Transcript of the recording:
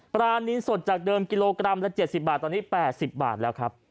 ปลานินสดจากเดิมกิโลกรัมละ๗๐บาทตอนนี้๘๐บาทแล้วครับ